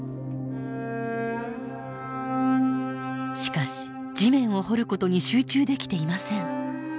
しかし地面を掘ることに集中できていません。